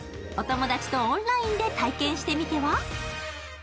お友達とオンラインで体験してみては？